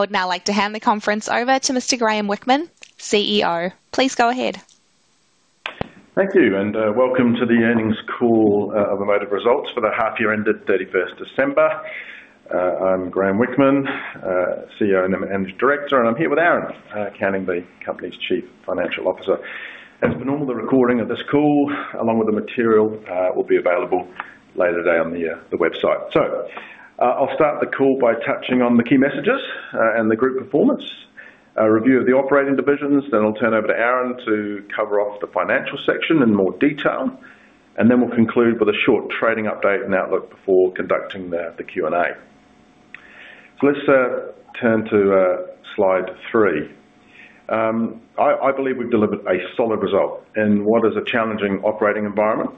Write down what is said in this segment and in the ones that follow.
Would now like to hand the conference over to Mr. Graeme Whickman, CEO. Please go ahead. Thank you, and welcome to the earnings call of Amotiv Results for the half-year ended 31st December. I'm Graeme Whickman, CEO and Director, and I'm here with Aaron Canning, the company's Chief Financial Officer. As per normal, the recording of this call, along with the material, will be available later today on the website. I'll start the call by touching on the key messages and the group performance, a review of the operating divisions, then I'll turn over to Aaron to cover off the financial section in more detail, and then we'll conclude with a short trading update and outlook before conducting the Q&A. Let's turn to slide three. I believe we've delivered a solid result in what is a challenging operating environment.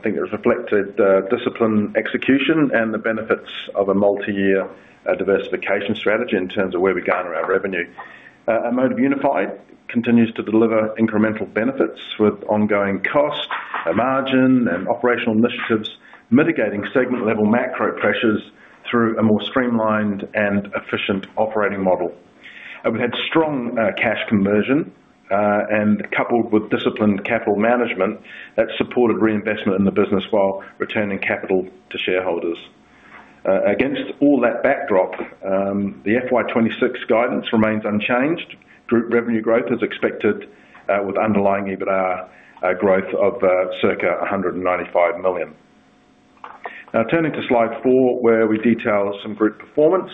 I think it reflected discipline, execution, and the benefits of a multi-year diversification strategy in terms of where we garner our revenue. Amotiv Unified continues to deliver incremental benefits with ongoing cost, a margin, and operational initiatives mitigating segment-level macro pressures through a more streamlined and efficient operating model. We've had strong cash conversion and, coupled with disciplined capital management, that supported reinvestment in the business while returning capital to shareholders. Against all that backdrop, the FY 2026 guidance remains unchanged. Group revenue growth is expected with underlying EBITDA growth of circa 195 million. Now, turning to slide four where we detail some group performance.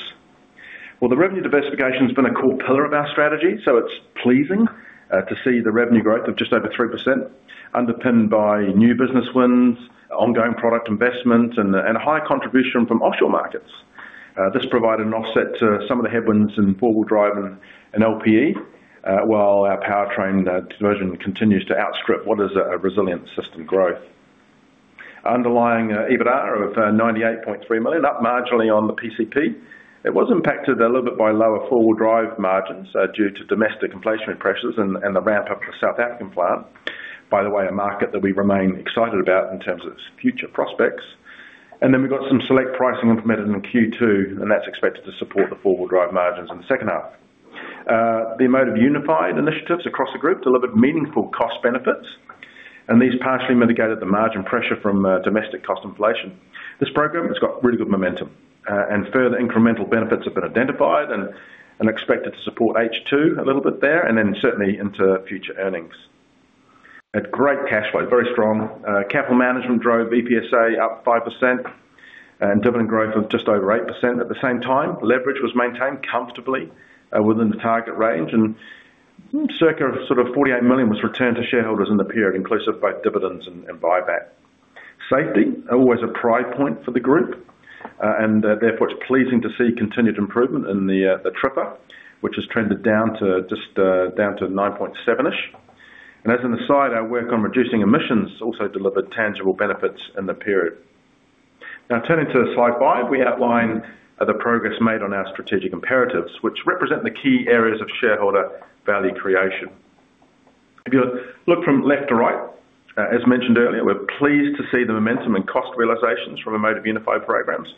Well, the revenue diversification's been a core pillar of our strategy, so it's pleasing to see the revenue growth of just over 3% underpinned by new business wins, ongoing product investments, and a high contribution from offshore markets. This provided an offset to some of the headwinds in four-wheel drive and LP&E, while our powertrain division continues to outstrip what is a resilient system growth. Underlying EBITDA of 98.3 million, up marginally on the PCP, it was impacted a little bit by lower four-wheel drive margins due to domestic inflationary pressures and the ramp-up of the South African plant, by the way, a market that we remain excited about in terms of its future prospects. And then we've got some select pricing implemented in Q2, and that's expected to support the four-wheel drive margins in the second half. The Amotiv Unified initiatives across the group delivered meaningful cost benefits, and these partially mitigated the margin pressure from domestic cost inflation. This program has got really good momentum, and further incremental benefits have been identified and expected to support H2 a little bit there and then certainly into future earnings. Had great cash flow, very strong. Capital management drove EPSA up 5% and dividend growth of just over 8% at the same time. Leverage was maintained comfortably within the target range, and circa sort of 48 million was returned to shareholders in the period, inclusive both dividends and buyback. Safety, always a pride point for the group, and therefore it's pleasing to see continued improvement in the TRIFR, which has trended down to just down to 9.7-ish. As an aside, our work on reducing emissions also delivered tangible benefits in the period. Now, turning to slide five, we outline the progress made on our strategic imperatives, which represent the key areas of shareholder value creation. If you look from left to right, as mentioned earlier, we're pleased to see the momentum and cost realizations from Amotiv Unified programs,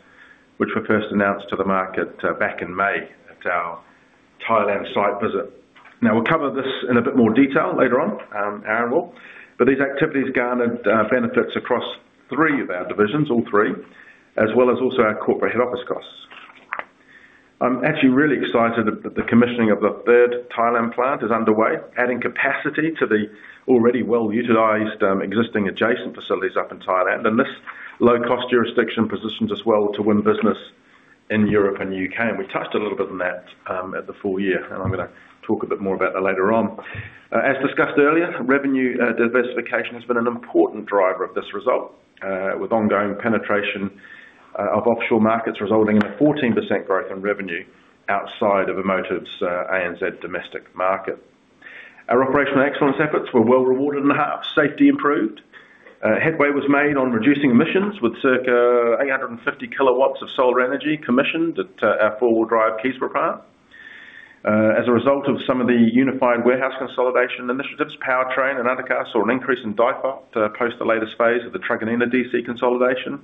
which were first announced to the market back in May at our Thailand site visit. Now, we'll cover this in a bit more detail later on, Aaron will, but these activities garnered benefits across three of our divisions, all three, as well as also our corporate head office costs. I'm actually really excited that the commissioning of the third Thailand plant is underway, adding capacity to the already well-utilized existing adjacent facilities up in Thailand, and this low-cost jurisdiction positions us well to win business in Europe and the U.K. And we touched a little bit on that at the full year, and I'm going to talk a bit more about that later on. As discussed earlier, revenue diversification has been an important driver of this result, with ongoing penetration of offshore markets resulting in a 14% growth in revenue outside of Amotiv's ANZ domestic market. Our operational excellence efforts were well-rewarded and half safety improved. Headway was made on reducing emissions with circa 850 kW of solar energy commissioned at our four-wheel drive Keysborough plant. As a result of some of the unified warehouse consolidation initiatives, powertrain and undercarriage saw an increase in DIFOT post the latest phase of the Truganina DC consolidation.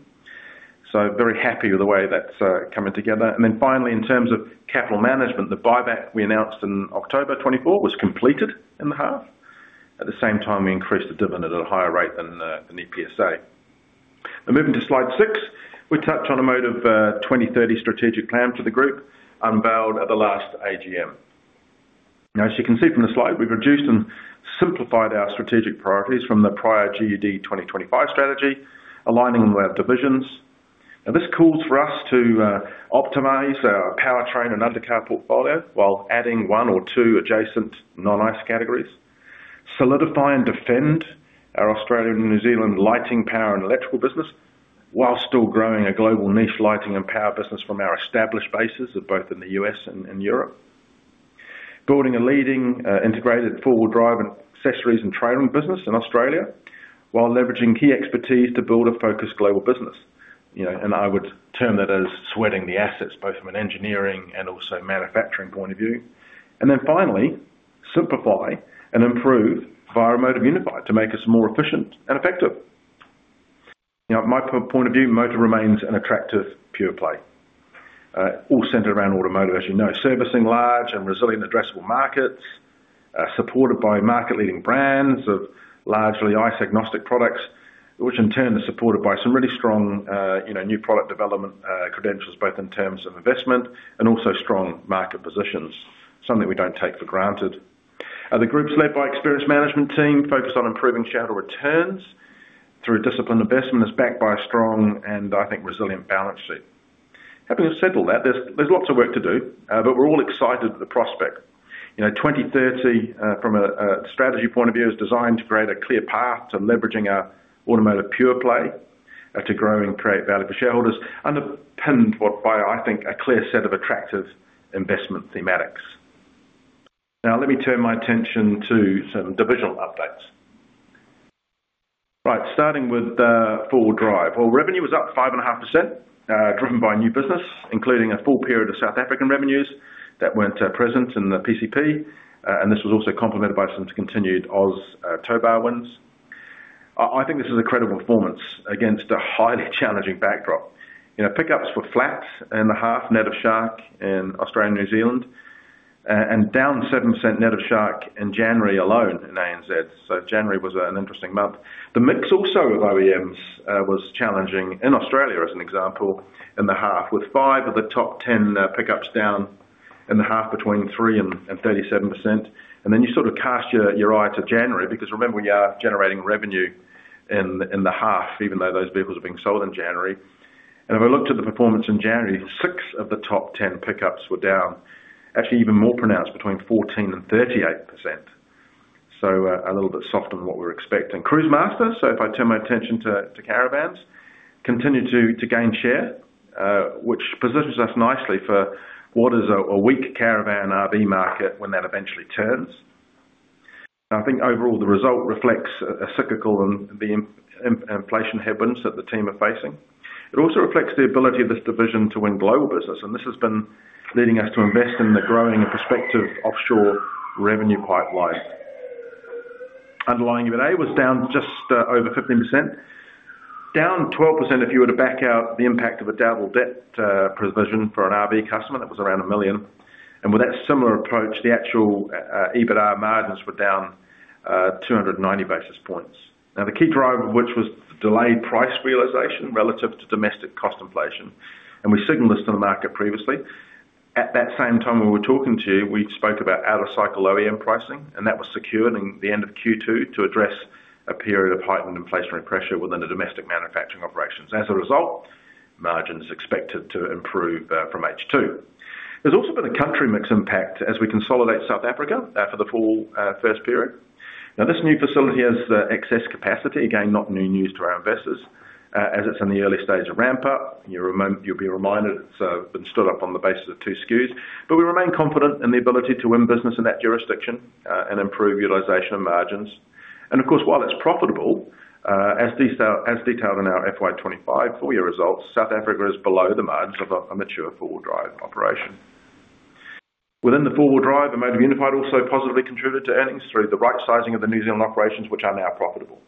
So very happy with the way that's coming together. Then finally, in terms of capital management, the buyback we announced in October 2024 was completed in the half. At the same time, we increased the dividend at a higher rate than EPSA. Now, moving to slide six, we touch on Amotiv 2030 strategic plan for the group unveiled at the last AGM. Now, as you can see from the slide, we've reduced and simplified our strategic priorities from the prior GUD 2025 strategy, aligning them with our divisions. Now, this calls for us to optimize our powertrain and undercarriage portfolio while adding one or two adjacent non-ICE categories, solidify and defend our Australian and New Zealand lighting, power, and electrical business while still growing a global niche lighting and power business from our established bases both in the U.S. and in Europe, building a leading integrated four-wheel drive and accessories and trailing business in Australia while leveraging key expertise to build a focused global business. And I would term that as sweating the assets, both from an engineering and also manufacturing point of view. And then finally, simplify and improve via Amotiv Unified to make us more efficient and effective. From my point of view, Amotiv remains an attractive pure play, all centered around automotive, as you know, servicing large and resilient addressable markets supported by market-leading brands of largely ICE-agnostic products, which in turn are supported by some really strong new product development credentials both in terms of investment and also strong market positions, something we don't take for granted. The group's led by experienced management team focused on improving shareholder returns through disciplined investment is backed by a strong and, I think, resilient balance sheet. Having said all that, there's lots of work to do, but we're all excited for the prospect. 2030, from a strategy point of view, is designed to create a clear path to leveraging our automotive pure play to grow and create value for shareholders, underpinned by, I think, a clear set of attractive investment thematics. Now, let me turn my attention to some divisional updates. Right, starting with four-wheel drive. Well, revenue was up 5.5%, driven by new business, including a full period of South African revenues that weren't present in the PCP, and this was also complemented by some continued Aussie towbar wins. I think this is a credible performance against a highly challenging backdrop. Pickups were flat in the half, net of Shark in Australia and New Zealand, and down 7% net of Shark in January alone in ANZ. So January was an interesting month. The mix also of OEMs was challenging in Australia, as an example, in the half, with five of the top 10 pickups down in the half between 3%-37%. And then you sort of cast your eye to January because remember, we are generating revenue in the half, even though those vehicles are being sold in January. If I looked at the performance in January, six of the top 10 pickups were down, actually even more pronounced, 14%-38%, so a little bit softer than what we were expecting. Cruisemaster, so if I turn my attention to caravans, continued to gain share, which positions us nicely for what is a weak caravan RV market when that eventually turns. I think overall, the result reflects a cyclical and the inflation headwinds that the team are facing. It also reflects the ability of this division to win global business, and this has been leading us to invest in the growing and prospective offshore revenue pipeline. Underlying EBITDA was down just over 15%, down 12% if you were to back out the impact of a doubtful debt provision for an RV customer that was around 1 million. With that similar approach, the actual EBITDA margins were down 290 basis points. Now, the key driver of which was delayed price realization relative to domestic cost inflation, and we signaled this to the market previously. At that same time we were talking to you, we spoke about out-of-cycle OEM pricing, and that was secured in the end of Q2 to address a period of heightened inflationary pressure within the domestic manufacturing operations. As a result, margins expected to improve from H2. There's also been a country mix impact as we consolidate South Africa for the full first period. Now, this new facility has excess capacity, again, not new news to our investors, as it's in the early stage of ramp-up. You'll be reminded it's been stood up on the basis of two skews, but we remain confident in the ability to win business in that jurisdiction and improve utilization of margins. And of course, while it's profitable, as detailed in our FY 2025 full-year results, South Africa is below the margins of a mature four-wheel drive operation. Within the four-wheel drive, Amotiv Unified also positively contributed to earnings through the right-sizing of the New Zealand operations, which are now profitable.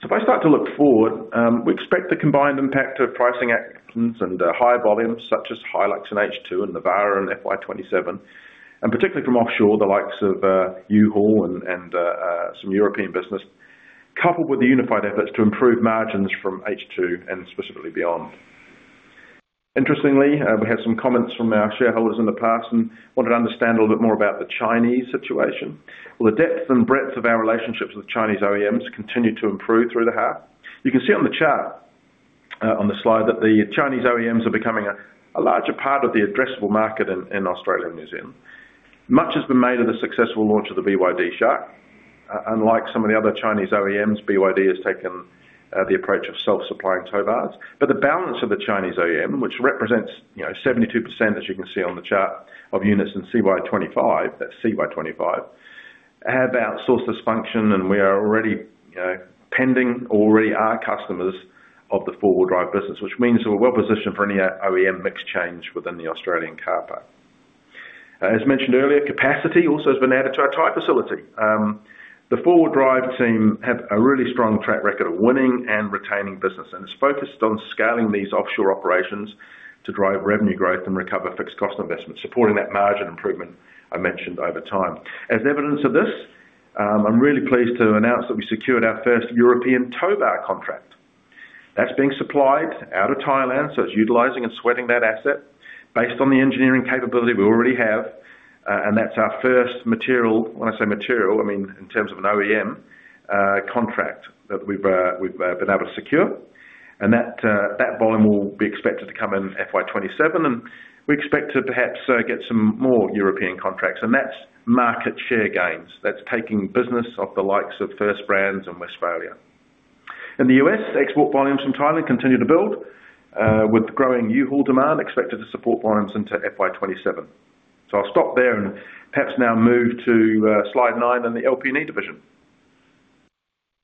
So if I start to look forward, we expect the combined impact of pricing actions and high volumes such as HiLux in H2 and Navara in FY 2027, and particularly from offshore, the likes of U-Haul and some European business, coupled with the unified efforts to improve margins from H2 and specifically beyond. Interestingly, we had some comments from our shareholders in the past and wanted to understand a little bit more about the Chinese situation. Well, the depth and breadth of our relationships with Chinese OEMs continue to improve through the half. You can see on the chart on the slide that the Chinese OEMs are becoming a larger part of the addressable market in Australia and New Zealand. Much has been made of the successful launch of the BYD Shark. Unlike some of the other Chinese OEMs, BYD has taken the approach of self-supplying towbars. But the balance of the Chinese OEM, which represents 72%, as you can see on the chart, of units in CY 2025, that's CY 2025, have outsourced this function, and we are already pending or already are customers of the four-wheel drive business, which means we're well-positioned for any OEM mix change within the Australian carpark. As mentioned earlier, capacity also has been added to our Thai facility. The four-wheel drive team have a really strong track record of winning and retaining business, and it's focused on scaling these offshore operations to drive revenue growth and recover fixed cost investments, supporting that margin improvement I mentioned over time. As evidence of this, I'm really pleased to announce that we secured our first European towbar contract. That's being supplied out of Thailand, so it's utilizing and sweating that asset based on the engineering capability we already have. And that's our first material when I say material, I mean in terms of an OEM contract that we've been able to secure. And that volume will be expected to come in FY 2027, and we expect to perhaps get some more European contracts. And that's market share gains. That's taking business off the likes of First Brands and Westfalia. In the U.S., export volumes from Thailand continue to build. With growing U-Haul demand, expected to support volumes into FY 2027. So I'll stop there and perhaps now move to slide 9 and the LP&E division.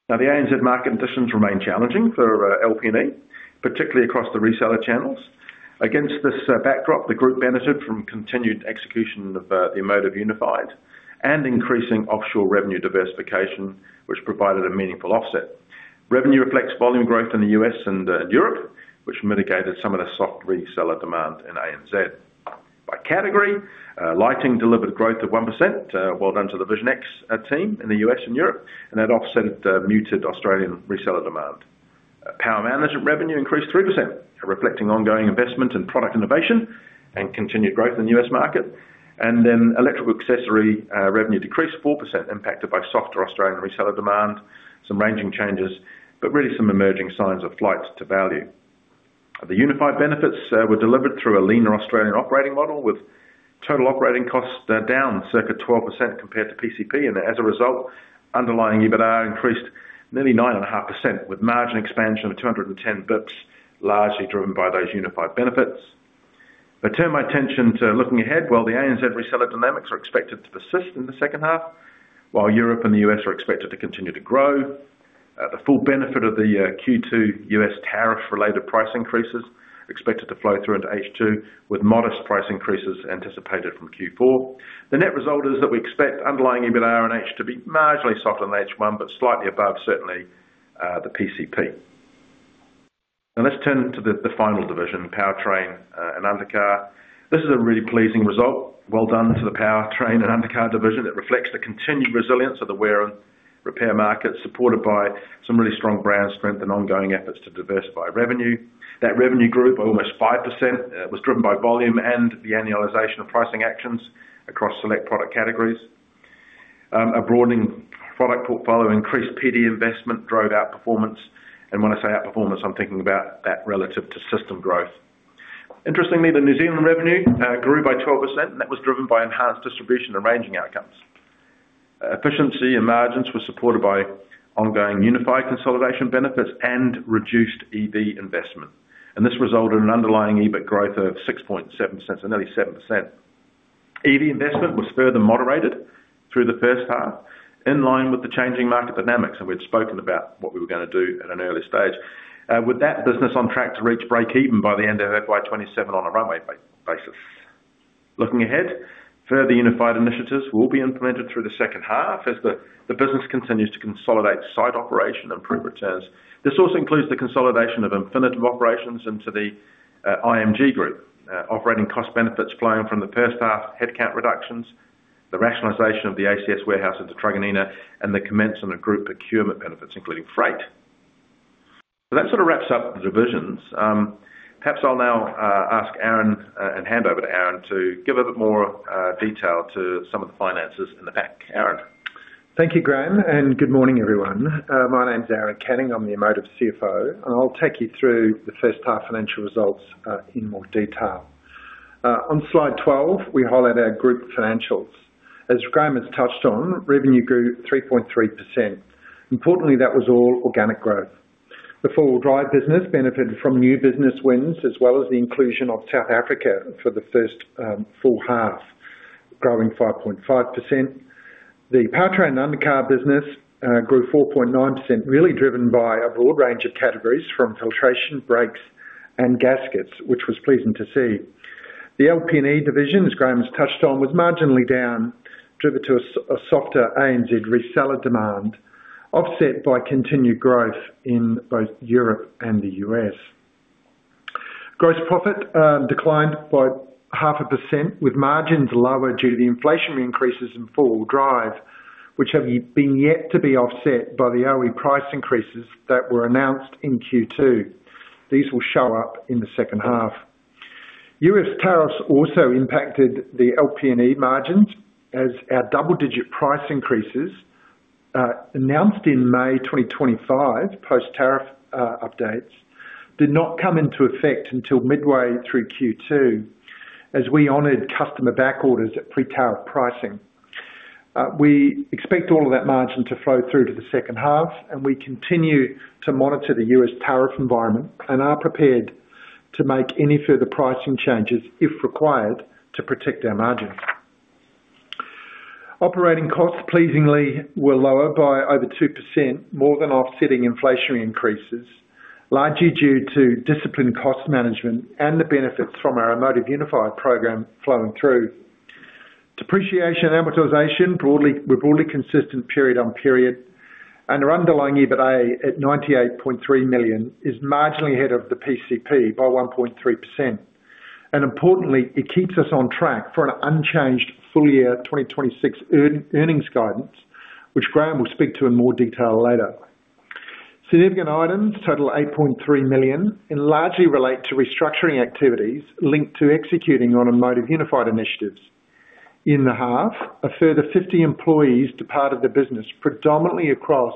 Now, the ANZ market conditions remain challenging for LP&E, particularly across the reseller channels. Against this backdrop, the group benefited from continued execution of the Amotiv Unified and increasing offshore revenue diversification, which provided a meaningful offset. Revenue reflects volume growth in the U.S. and Europe, which mitigated some of the soft reseller demand in ANZ. By category, lighting delivered growth of 1%. Well done to the Vision X team in the U.S. and Europe, and that offset muted Australian reseller demand. Power management revenue increased 3%, reflecting ongoing investment and product innovation and continued growth in the U.S. market. And then electrical accessory revenue decreased 4%, impacted by softer Australian reseller demand, some ranging changes, but really some emerging signs of flight to value. The unified benefits were delivered through a leaner Australian operating model, with total operating costs down circa 12% compared to PCP. As a result, underlying EBITDA increased nearly 9.5%, with margin expansion of 210 basis points largely driven by those unified benefits. I turn my attention to looking ahead. Well, the ANZ reseller dynamics are expected to persist in the second half, while Europe and the U.S. are expected to continue to grow. The full benefit of the Q2 U.S. tariff-related price increases expected to flow through into H2, with modest price increases anticipated from Q4. The net result is that we expect underlying EBITDA in H2 to be marginally softer than H1 but slightly above, certainly, the PCP. Now, let's turn to the final division, powertrain and undercarriage. This is a really pleasing result. Well done to the powertrain and undercarriage division. It reflects the continued resilience of the wear-and-repair market, supported by some really strong brand strength and ongoing efforts to diversify revenue. That revenue growth, almost 5%, was driven by volume and the annualization of pricing actions across select product categories. A broadening product portfolio increased R&D investment, drove outperformance. And when I say outperformance, I'm thinking about that relative to system growth. Interestingly, the New Zealand revenue grew by 12%, and that was driven by enhanced distribution and ranging outcomes. Efficiency and margins were supported by ongoing unified consolidation benefits and reduced EV investment. And this resulted in underlying EBIT growth of 6.7%, so nearly 7%. EV investment was further moderated through the first half in line with the changing market dynamics, and we had spoken about what we were going to do at an early stage, with that business on track to reach break-even by the end of FY 2027 on a runway basis. Looking ahead, further Unified initiatives will be implemented through the second half as the business continues to consolidate site operation and improve returns. This also includes the consolidation of Infinitev operations into the IM Group, operating cost benefits flowing from the first half, headcount reductions, the rationalization of the ACS warehouse into Truganina, and the commencement of group procurement benefits, including freight. So that sort of wraps up the divisions. Perhaps I'll now ask Aaron and hand over to Aaron to give a bit more detail to some of the finances in the back. Aaron. Thank you, Graeme, and good morning, everyone. My name's Aaron Canning. I'm the Amotiv CFO, and I'll take you through the first half financial results in more detail. On slide 12, we highlight our group financials. As Graeme has touched on, revenue grew 3.3%. Importantly, that was all organic growth. The four-wheel drive business benefited from new business wins as well as the inclusion of South Africa for the first full half, growing 5.5%. The powertrain and undercarriage business grew 4.9%, really driven by a broad range of categories from filtration, brakes, and gaskets, which was pleasing to see. The LP&E division, as Graeme has touched on, was marginally down, driven to a softer ANZ reseller demand, offset by continued growth in both Europe and the U.S. Gross profit declined by 0.5%, with margins lower due to the inflationary increases in four-wheel drive, which have been yet to be offset by the OE price increases that were announced in Q2. These will show up in the second half. U.S. tariffs also impacted the LP&E margins as our double-digit price increases announced in May 2025 post-tariff updates did not come into effect until midway through Q2 as we honoured customer backorders at pre-tariff pricing. We expect all of that margin to flow through to the second half, and we continue to monitor the U.S. tariff environment and are prepared to make any further pricing changes, if required, to protect our margins. Operating costs, pleasingly, were lower by over 2%, more than offsetting inflationary increases, largely due to disciplined cost management and the benefits from our Amotiv Unified program flowing through. Depreciation and amortization were broadly consistent period-on-period, and our underlying EBITDA at 98.3 million is marginally ahead of the PCP by 1.3%. Importantly, it keeps us on track for an unchanged full-year 2026 earnings guidance, which Graeme will speak to in more detail later. Significant items, total 8.3 million, and largely relate to restructuring activities linked to executing on Amotiv Unified initiatives. In the half, a further 50 employees departed the business, predominantly across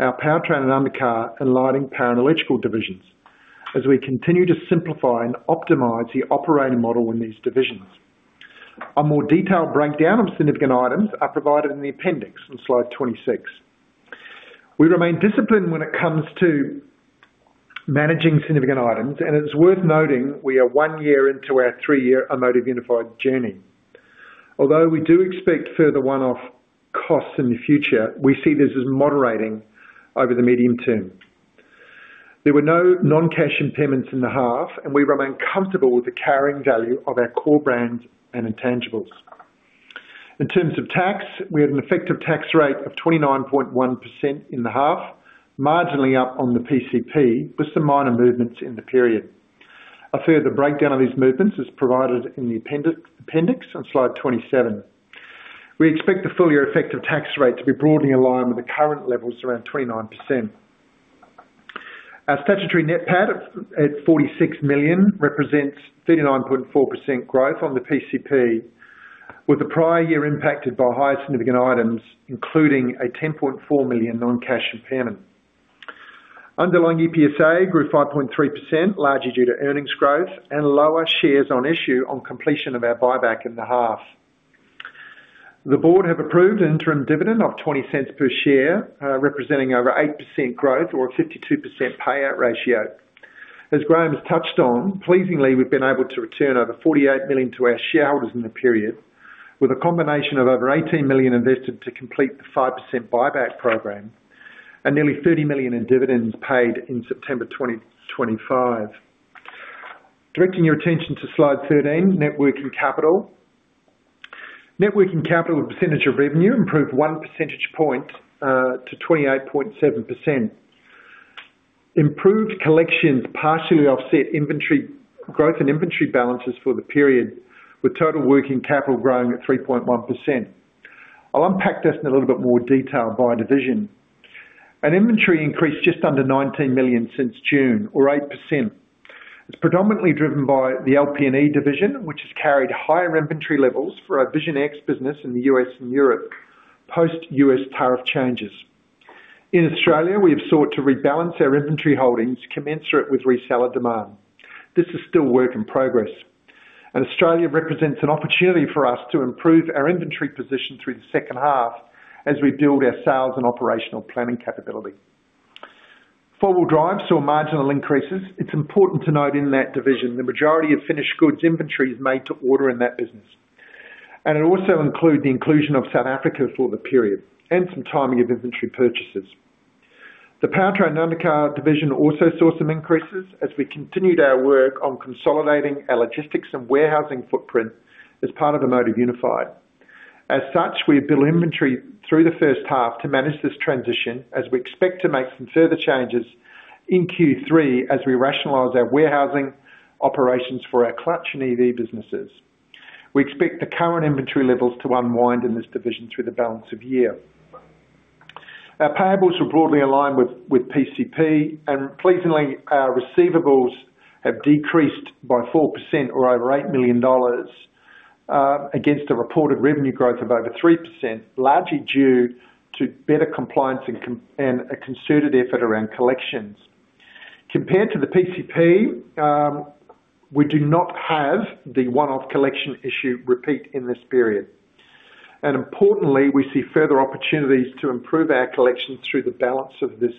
our powertrain and undercarriage and lighting parallel electrical divisions, as we continue to simplify and optimize the operating model in these divisions. A more detailed breakdown of significant items are provided in the appendix on slide 26. We remain disciplined when it comes to managing significant items, and it's worth noting we are one year into our three-year Amotiv Unified journey. Although we do expect further one-off costs in the future, we see this as moderating over the medium term. There were no non-cash impairments in the half, and we remain comfortable with the carrying value of our core brands and intangibles. In terms of tax, we had an effective tax rate of 29.1% in the half, marginally up on the PCP, with some minor movements in the period. A further breakdown of these movements is provided in the appendix on slide 27. We expect the full-year effective tax rate to be broadly in line with the current levels around 29%. Our statutory net profit at 46 million represents 39.4% growth on the PCP, with the prior year impacted by higher significant items, including a 10.4 million non-cash impairment. Underlying EPSA grew 5.3%, largely due to earnings growth and lower shares on issue on completion of our buyback in the half. The board have approved an interim dividend of 0.20 per share, representing over 8% growth or a 52% payout ratio. As Graeme has touched on, pleasingly, we've been able to return over 48 million to our shareholders in the period, with a combination of over 18 million invested to complete the 5% buyback program and nearly 30 million in dividends paid in September 2025. Directing your attention to slide 13, net working capital. Net working capital percentage of revenue improved one percentage point to 28.7%. Improved collections partially offset inventory growth and inventory balances for the period, with total working capital growing at 3.1%. I'll unpack this in a little bit more detail by division. An inventory increase just under 19 million since June, or 8%. It's predominantly driven by the LP&E division, which has carried higher inventory levels for our Vision X business in the U.S. and Europe post-U.S. tariff changes. In Australia, we have sought to rebalance our inventory holdings, commensurate with reseller demand. This is still work in progress. Australia represents an opportunity for us to improve our inventory position through the second half as we build our sales and operational planning capability. Four-wheel drive saw marginal increases. It's important to note in that division the majority of finished goods inventory is made to order in that business. It also includes the inclusion of South Africa for the period and some timing of inventory purchases. The powertrain and undercarriage division also saw some increases as we continued our work on consolidating our logistics and warehousing footprint as part of Amotiv Unified. As such, we have built inventory through the first half to manage this transition as we expect to make some further changes in Q3 as we rationalize our warehousing operations for our clutch and EV businesses. We expect the current inventory levels to unwind in this division through the balance of the year. Our payables were broadly in line with PCP, and pleasingly, our receivables have decreased by 4% or over 8 million dollars against a reported revenue growth of over 3%, largely due to better compliance and a concerted effort around collections. Compared to the PCP, we do not have the one-off collection issue repeat in this period. Importantly, we see further opportunities to improve our collections through the balance of this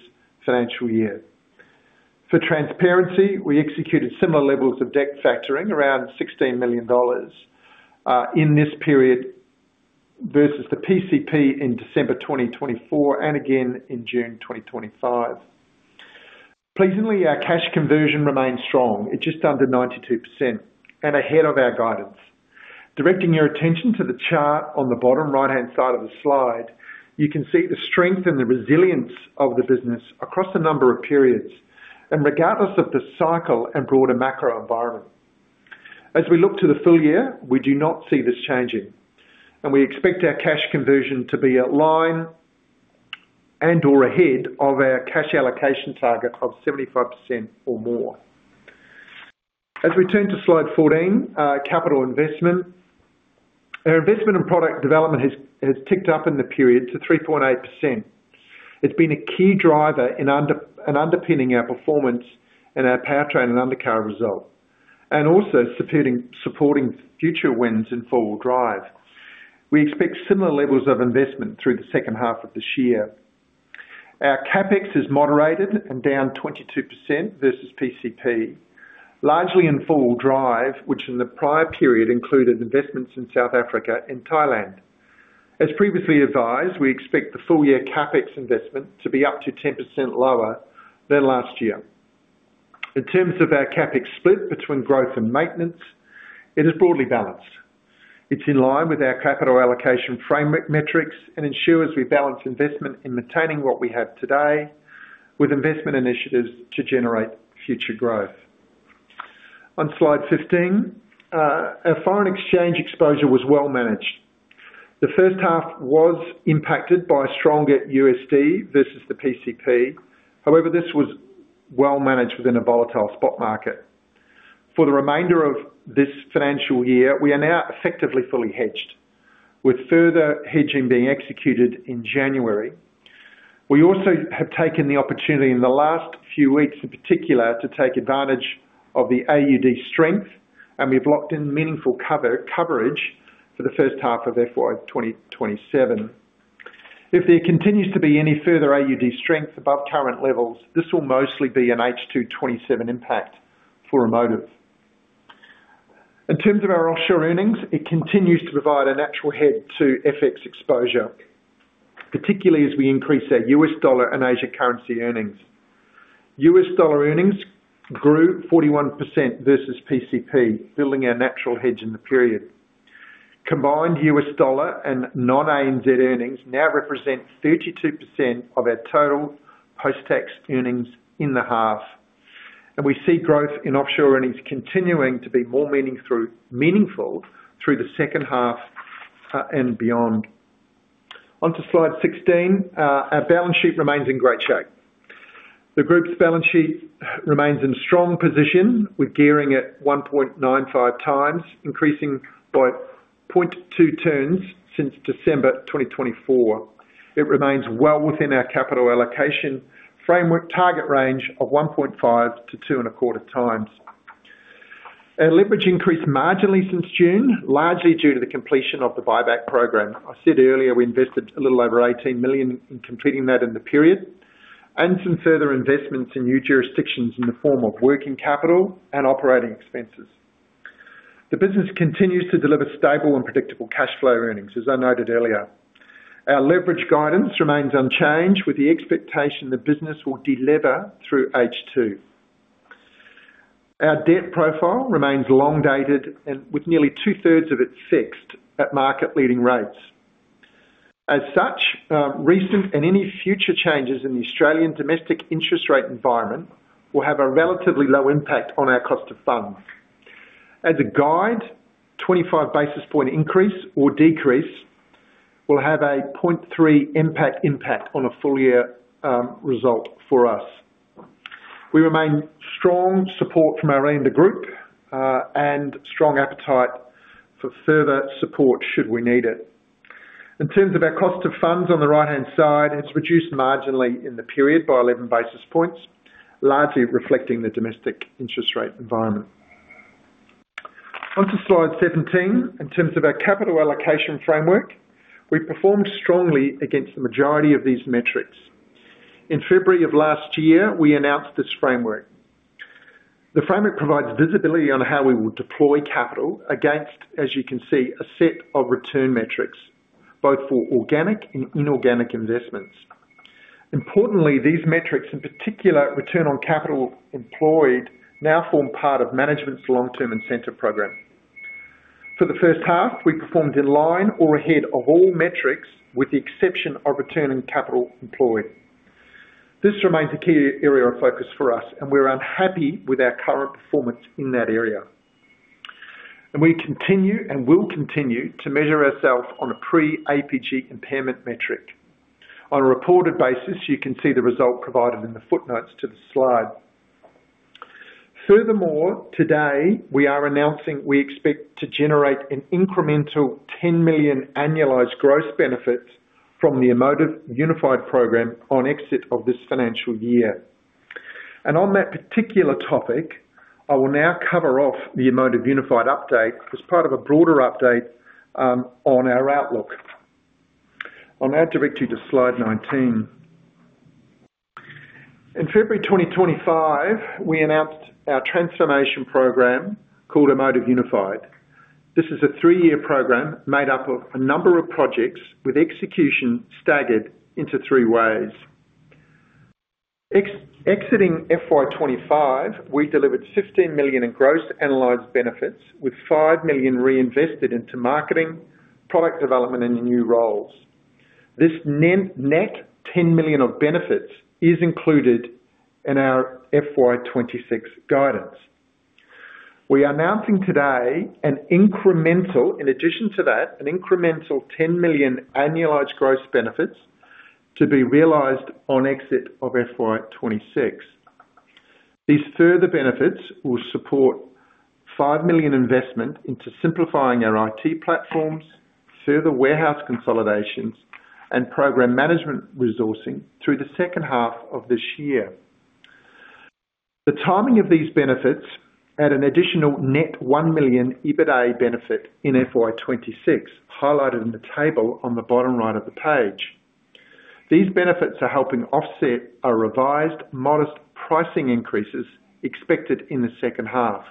financial year. For transparency, we executed similar levels of debt factoring around 16 million dollars in this period versus the PCP in December 2024 and again in June 2025. Pleasingly, our cash conversion remained strong, just under 92%, and ahead of our guidance. Directing your attention to the chart on the bottom right-hand side of the slide, you can see the strength and the resilience of the business across a number of periods and regardless of the cycle and broader macro environment. As we look to the full year, we do not see this changing. We expect our cash conversion to be in line and/or ahead of our cash allocation target of 75% or more. As we turn to slide 14, capital investment. Our investment in product development has ticked up in the period to 3.8%. It's been a key driver and underpinning our performance and our powertrain and undercarriage result, and also supporting future wins in four-wheel drive. We expect similar levels of investment through the second half of this year. Our CapEx is moderated and down 22% versus PCP, largely in four-wheel drive, which in the prior period included investments in South Africa and Thailand. As previously advised, we expect the full-year CapEx investment to be up to 10% lower than last year. In terms of our CapEx split between growth and maintenance, it is broadly balanced. It's in line with our capital allocation framework metrics and ensures we balance investment in maintaining what we have today with investment initiatives to generate future growth. On slide 15, our foreign exchange exposure was well managed. The first half was impacted by a stronger USD versus the PCP. However, this was well managed within a volatile spot market. For the remainder of this financial year, we are now effectively fully hedged, with further hedging being executed in January. We also have taken the opportunity in the last few weeks, in particular, to take advantage of the AUD strength, and we have locked in meaningful coverage for the first half of FY 2027. If there continues to be any further AUD strength above current levels, this will mostly be an H227 impact for Amotiv. In terms of our offshore earnings, it continues to provide a natural hedge to FX exposure, particularly as we increase our US dollar and Asia currency earnings. U.S. dollar earnings grew 41% versus PCP, building our natural hedge in the period. Combined U.S. dollar and non-ANZ earnings now represent 32% of our total post-tax earnings in the half. And we see growth in offshore earnings continuing to be more meaningful through the second half and beyond. Onto slide 16, our balance sheet remains in great shape. The group's balance sheet remains in strong position, with gearing at 1.95 times, increasing by 0.2 turns since December 2024. It remains well within our capital allocation framework target range of 1.5-2.25 times. Our leverage increased marginally since June, largely due to the completion of the buyback program. I said earlier we invested a little over 18 million in completing that in the period and some further investments in new jurisdictions in the form of working capital and operating expenses. The business continues to deliver stable and predictable cash flow earnings, as I noted earlier. Our leverage guidance remains unchanged, with the expectation the business will deliver through H2. Our debt profile remains long-dated and with nearly two-thirds of it fixed at market-leading rates. As such, recent and any future changes in the Australian domestic interest rate environment will have a relatively low impact on our cost of funds. As a guide, a 25 basis point increase or decrease will have a 0.3 impact on a full-year result for us. We remain strong support from our end of group and strong appetite for further support should we need it. In terms of our cost of funds on the right-hand side, it's reduced marginally in the period by 11 basis points, largely reflecting the domestic interest rate environment. Onto slide 17, in terms of our capital allocation framework, we performed strongly against the majority of these metrics. In February of last year, we announced this framework. The framework provides visibility on how we will deploy capital against, as you can see, a set of return metrics, both for organic and inorganic investments. Importantly, these metrics, in particular return on capital employed, now form part of management's long-term incentive program. For the first half, we performed in line or ahead of all metrics, with the exception of return on capital employed. This remains a key area of focus for us, and we're unhappy with our current performance in that area. We continue and will continue to measure ourselves on a pre-APG impairment metric. On a reported basis, you can see the result provided in the footnotes to the slide. Furthermore, today, we are announcing we expect to generate an incremental 10 million annualized gross benefit from the Amotiv Unified program on exit of this financial year. On that particular topic, I will now cover off the Amotiv Unified update as part of a broader update on our outlook. I'll now direct you to slide 19. In February 2025, we announced our transformation program called Amotiv Unified. This is a three-year program made up of a number of projects with execution staggered into three ways. Exiting FY 2025, we delivered 15 million in gross analyzed benefits, with 5 million reinvested into marketing, product development, and new roles. This net 10 million of benefits is included in our FY 2026 guidance. We are announcing today an incremental, in addition to that, an incremental 10 million annualized gross benefits to be realized on exit of FY 2026. These further benefits will support 5 million investment into simplifying our IT platforms, further warehouse consolidations, and program management resourcing through the second half of this year. The timing of these benefits add an additional net 1 million EBITDA benefit in FY 2026, highlighted in the table on the bottom right of the page. These benefits are helping offset our revised modest pricing increases expected in the second half.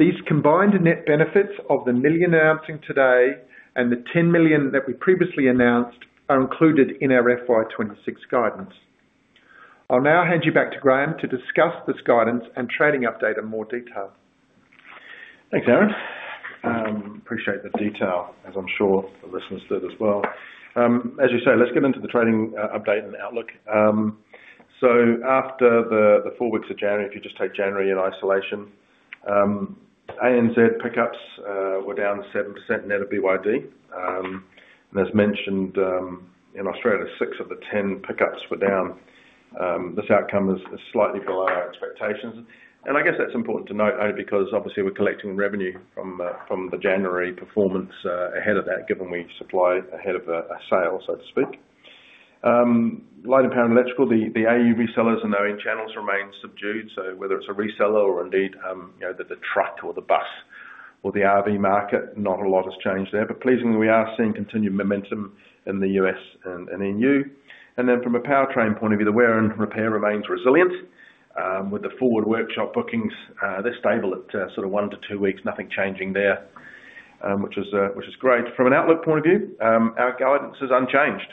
These combined net benefits of the 1 million announcing today and the 10 million that we previously announced are included in our FY 2026 guidance. I'll now hand you back to Graeme to discuss this guidance and trading update in more detail. Thanks, Aaron. Appreciate the detail, as I'm sure the listeners did as well. As you say, let's get into the trading update and outlook. After the four weeks of January, if you just take January in isolation, ANZ pickups were down 7% net of BYD. As mentioned, in Australia, six of the 10 pickups were down. This outcome is slightly below our expectations. I guess that's important to note only because, obviously, we're collecting revenue from the January performance ahead of that, given we supply ahead of a sale, so to speak. Lighting and power and electrical, the AU resellers and OE channels remain subdued. So whether it's a reseller or indeed the truck or the bus or the RV market, not a lot has changed there. But pleasingly, we are seeing continued momentum in the U.S. and EU. And then from a powertrain point of view, the wear and repair remains resilient. With the forward workshop bookings, they're stable at sort of one-two weeks, nothing changing there, which is great. From an outlook point of view, our guidance is unchanged.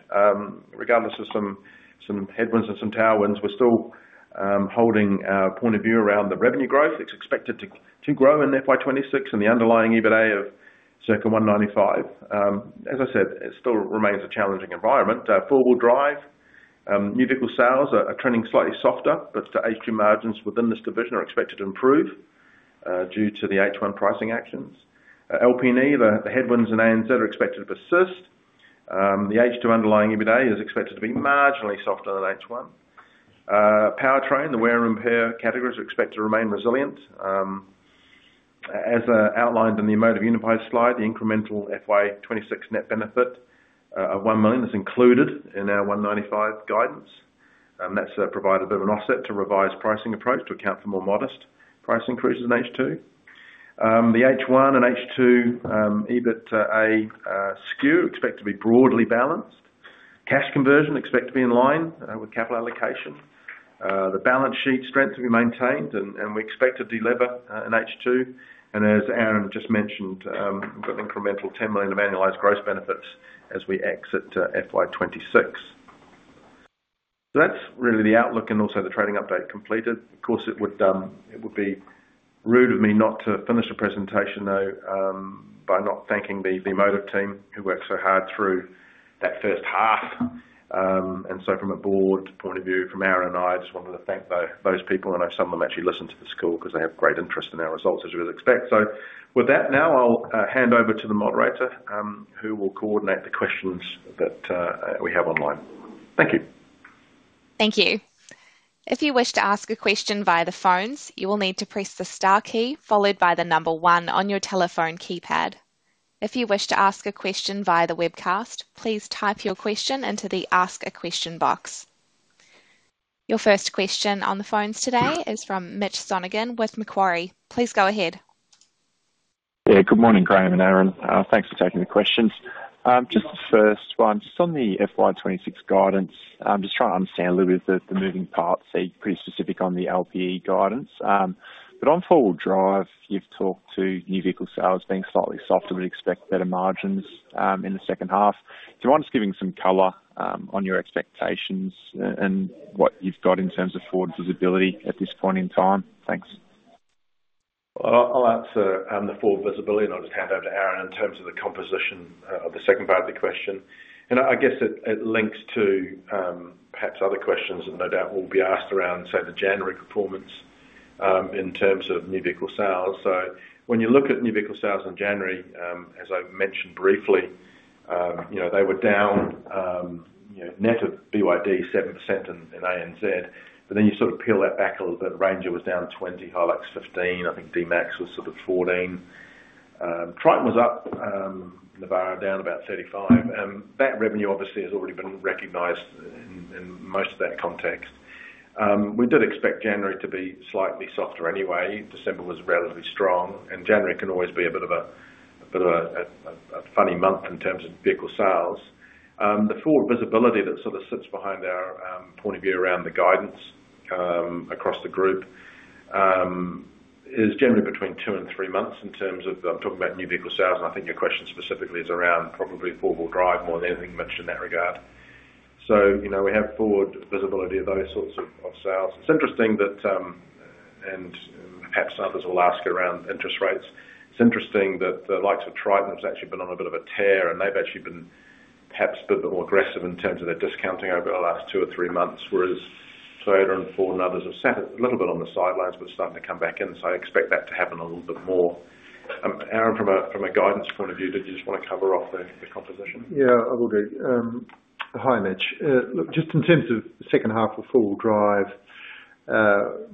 Regardless of some headwinds and some tailwinds, we're still holding our point of view around the revenue growth. It's expected to grow in FY 2026 and the underlying EBITDA of circa 195 million. As I said, it still remains a challenging environment. Four-wheel drive, new vehicle sales are trending slightly softer, but H2 margins within this division are expected to improve due to the H1 pricing actions. LP&E, the headwinds in ANZ are expected to persist. The H2 underlying EBITDA is expected to be marginally softer than H1. Powertrain, the wear and repair categories are expected to remain resilient. As outlined in the Amotiv Unified slide, the incremental FY 2026 net benefit of 1 million is included in our 195 guidance. That's provided a bit of an offset to a revised pricing approach to account for more modest price increases in H2. The H1 and H2 EBITDA skew are expected to be broadly balanced. Cash conversion is expected to be in line with capital allocation. The balance sheet strength will be maintained, and we expect to deliver in H2. As Aaron just mentioned, we've got an incremental 10 million of annualized gross benefits as we exit FY 2026. So that's really the outlook and also the trading update completed. Of course, it would be rude of me not to finish the presentation, though, by not thanking the Amotiv team who worked so hard through that first half. So from a board point of view, from Aaron and I, I just wanted to thank those people. And I know some of them actually listen to the call because they have great interest in our results, as you would expect. So with that, now I'll hand over to the moderator who will coordinate the questions that we have online. Thank you. Thank you. If you wish to ask a question via the phones, you will need to press the star key followed by the number one on your telephone keypad. If you wish to ask a question via the webcast, please type your question into the Ask a Question box. Your first question on the phones today is from Mitch Sonogan with Macquarie. Please go ahead. Yeah. Good morning, Graeme and Aaron. Thanks for taking the questions. Just the first one, just on the FY 2026 guidance, I'm just trying to understand a little bit of the moving parts. So you're pretty specific on the LPE guidance. But on four-wheel drive, you've talked to new vehicle sales being slightly softer but expect better margins in the second half. Do you mind us giving some color on your expectations and what you've got in terms of forward visibility at this point in time? Thanks. Well, I'll answer the forward visibility, and I'll just hand over to Aaron in terms of the composition of the second part of the question. I guess it links to perhaps other questions that no doubt will be asked around, say, the January performance in terms of new vehicle sales. So when you look at new vehicle sales in January, as I mentioned briefly, they were down net of BYD 7% and ANZ. But then you sort of peel that back a little bit. Ranger was down 20%, Hilux 15%. I think D-Max was sort of 14%. Triton was up. Navara down about 35%. That revenue, obviously, has already been recognized in most of that context. We did expect January to be slightly softer anyway. December was relatively strong. And January can always be a bit of a funny month in terms of vehicle sales. The forward visibility that sort of sits behind our point of view around the guidance across the group is generally between two and three months in terms of, I'm talking about new vehicle sales, and I think your question specifically is around probably four-wheel drive more than anything mentioned in that regard. So we have forward visibility of those sorts of sales. And perhaps others will ask around interest rates. It's interesting that the likes of Triton have actually been on a bit of a tear, and they've actually been perhaps a bit more aggressive in terms of their discounting over the last two or three months, whereas Toyota and Ford and others have sat a little bit on the sidelines but starting to come back in. So I expect that to happen a little bit more. Aaron, from a guidance point of view, did you just want to cover off the composition? Yeah, I will do. Hi, Mitch. Look, just in terms of the second half of four-wheel drive,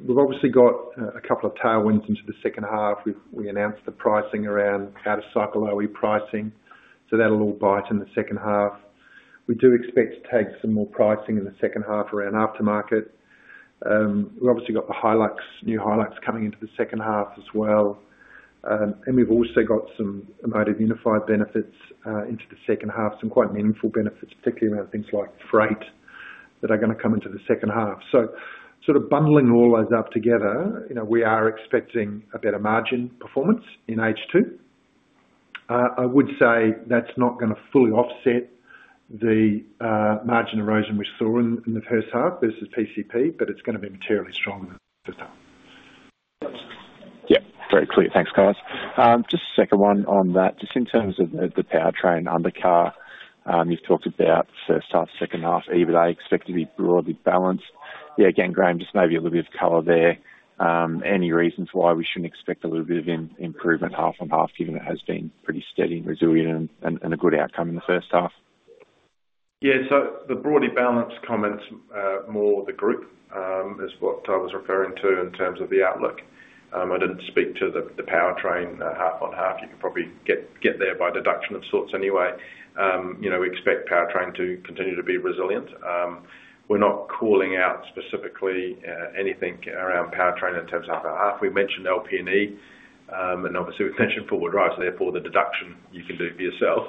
we've obviously got a couple of towbar wins into the second half. We announced the pricing around out-of-cycle OE pricing. So that'll all bite in the second half. We do expect to take some more pricing in the second half around aftermarket. We've obviously got the new HiLux coming into the second half as well. And we've also got some Amotiv Unified benefits into the second half, some quite meaningful benefits, particularly around things like freight that are going to come into the second half. So sort of bundling all those up together, we are expecting a better margin performance in H2. I would say that's not going to fully offset the margin erosion we saw in the first half versus PCP, but it's going to be materially stronger in the first half. Yep. Very clear. Thanks, Carole. Just a second one on that. Just in terms of the powertrain undercar, you've talked about first half, second half, EBITDA expected to be broadly balanced. Yeah, again, Graeme, just maybe a little bit of color there. Any reasons why we shouldn't expect a little bit of improvement half on half, given it has been pretty steady and resilient and a good outcome in the first half? Yeah. So the broadly balanced comments, more the group, is what I was referring to in terms of the outlook. I didn't speak to the powertrain half on half. You can probably get there by deduction of sorts anyway. We expect powertrain to continue to be resilient. We're not calling out specifically anything around powertrain in terms of half on half. We mentioned LP&E, and obviously, we've mentioned four-wheel drive. So therefore, the deduction you can do for yourself.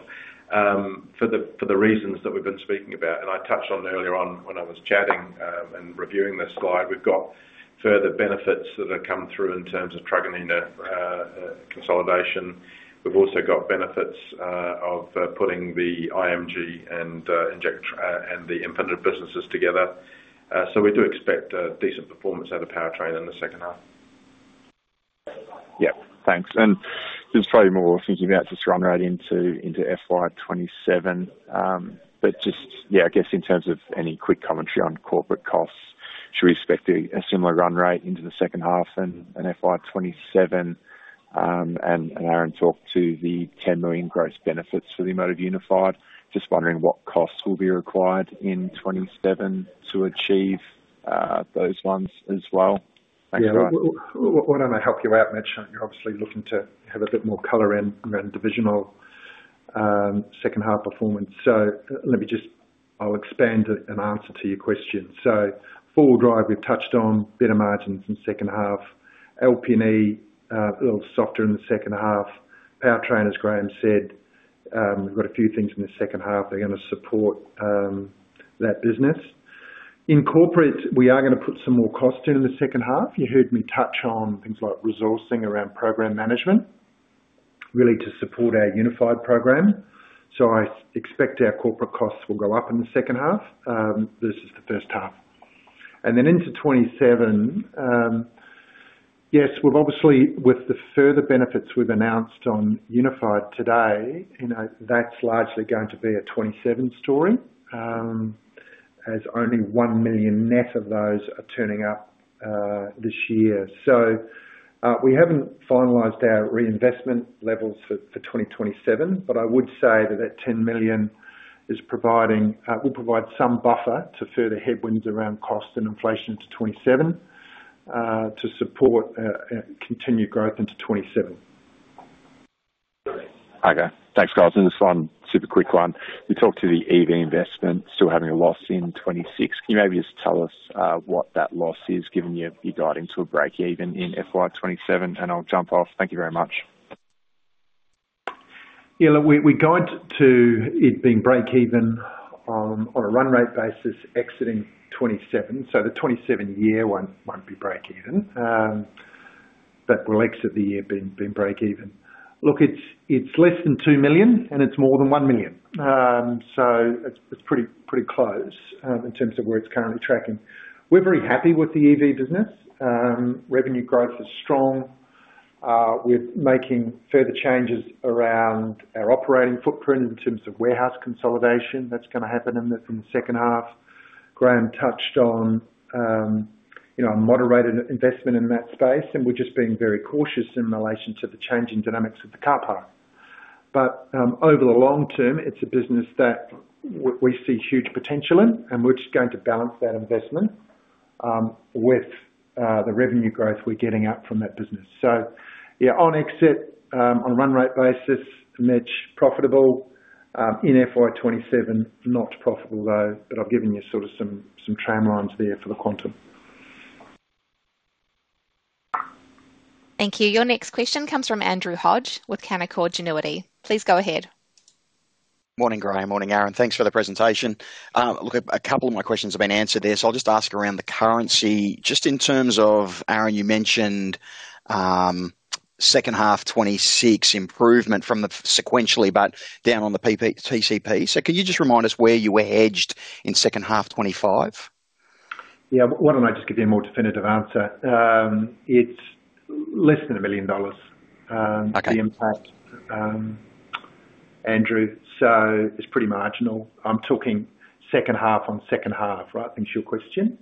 For the reasons that we've been speaking about, and I touched on earlier on when I was chatting and reviewing this slide, we've got further benefits that have come through in terms of truck and China consolidation. We've also got benefits of putting the IM and the Infinitev businesses together. So we do expect decent performance out of powertrain in the second half. Yep. Thanks. And just probably more thinking about just run rate into FY 2027. But just, yeah, I guess in terms of any quick commentary on corporate costs, should we expect a similar run rate into the second half and FY 2027? And Aaron talked to the 10 million gross benefits for the Amotiv Unified. Just wondering what costs will be required in 2027 to achieve those ones as well. Thanks, Carole. Yeah. What? I may help you out, Mitch. You're obviously looking to have a bit more color in around divisional second half performance. So let me just. I'll expand and answer to your question. So four-wheel drive, we've touched on, better margins in second half. LP&E, a little softer in the second half. Powertrain, as Graeme said, we've got a few things in the second half that are going to support that business. In corporate, we are going to put some more costs in in the second half. You heard me touch on things like resourcing around program management, really to support our unified program. So I expect our corporate costs will go up in the second half versus the first half. Then into 2027, yes, with the further benefits we've announced on Unified today, that's largely going to be a 2027 story, as only 1 million net of those are turning up this year. So we haven't finalized our reinvestment levels for 2027, but I would say that that 10 million will provide some buffer to further headwinds around cost and inflation into 2027 to support continued growth into 2027. Okay. Thanks, Aaron. And this one, super quick one. You talked to the EV investment, still having a loss in 2026. Can you maybe just tell us what that loss is, given you're guiding to a break-even in FY 2027? And I'll jump off. Thank you very much. Yeah. Look, we're going to it being break-even on a run rate basis exiting 2027. So the 2027 year won't be break-even, but we'll exit the year being break-even. Look, it's less than 2 million, and it's more than 1 million. So it's pretty close in terms of where it's currently tracking. We're very happy with the EV business. Revenue growth is strong. We're making further changes around our operating footprint in terms of warehouse consolidation. That's going to happen in the second half. Graeme touched on a moderated investment in that space, and we're just being very cautious in relation to the changing dynamics of the car park. But over the long term, it's a business that we see huge potential in, and we're just going to balance that investment with the revenue growth we're getting up from that business. So yeah, on exit, on a run rate basis, Mitch, profitable. In FY 2027, not profitable, though. But I've given you sort of some tramlines there for the quantum. Thank you. Your next question comes from Andrew Hodge with Canaccord Genuity. Please go ahead. Morning, Graeme. Morning, Aaron. Thanks for the presentation. Look, a couple of my questions have been answered there. So I'll just ask around the currency. Just in terms of, Aaron, you mentioned second half 2026 improvement from the sequentially, but down on the TCP. So can you just remind us where you were hedged in second half 2025? Yeah. Why don't I just give you a more definitive answer? It's less than 1 million dollars, the impact, Andrew, so it's pretty marginal. I'm talking second half on second half, right, thinking it's your question?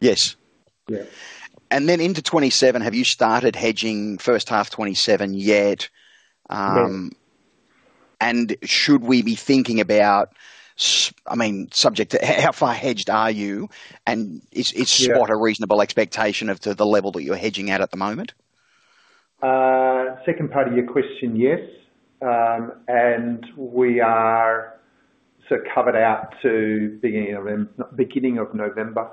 Yes. Yeah. And then into 2027, have you started hedging first half 2027 yet? Yes. Should we be thinking about, I mean, subject to how far hedged are you? Is spot a reasonable expectation of the level that you're hedging at at the moment? Second part of your question, yes. We are sort of covered out to beginning of November.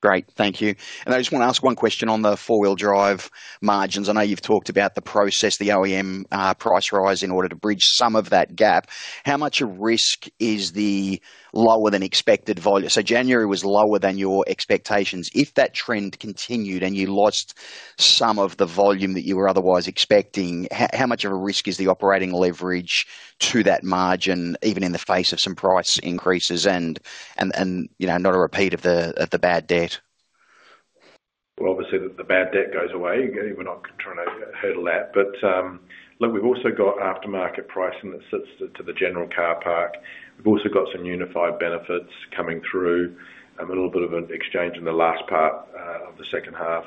Great. Thank you. And I just want to ask one question on the four-wheel drive margins. I know you've talked about the process, the OEM price rise in order to bridge some of that gap. How much of a risk is the lower-than-expected volume? So January was lower than your expectations. If that trend continued and you lost some of the volume that you were otherwise expecting, how much of a risk is the operating leverage to that margin, even in the face of some price increases and not a repeat of the bad debt? Well, obviously, the bad debt goes away. We're not trying to hurdle that. But look, we've also got aftermarket pricing that sits to the general car park. We've also got some Unified benefits coming through, a little bit of an exchange in the last part of the second half.